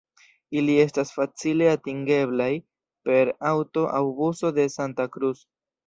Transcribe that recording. Ili estas facile atingeblaj per aŭto aŭ buso de Santa Cruz.